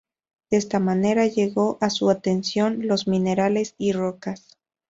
De esta manera llegó a su atención los minerales y rocas.